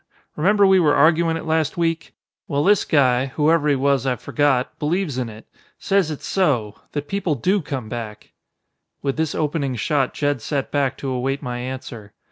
Remember we were arguin' it last week? Well, this guy, whoever he was I've forgot, believes in it. Says it's so. That people do come back." With this opening shot Jed sat back to await my answer.